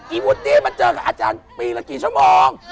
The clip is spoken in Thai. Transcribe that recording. วูดดี้มันเจอกับอาจารย์ปีละกี่ชั่วโมง